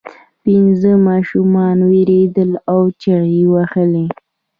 پنځه ماشومان ویرېدل او چیغې یې وهلې.